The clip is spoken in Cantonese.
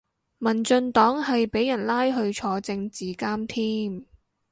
民進黨係俾人拉去坐政治監添